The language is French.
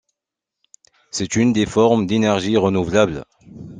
C'est une des formes d'énergie renouvelable.